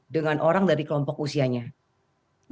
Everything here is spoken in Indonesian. terima kasih pak